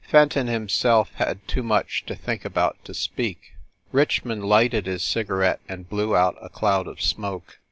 Fenton himself had too much to think about to speak. Richmond lighted his cigarette and blew out a cloud of smoke.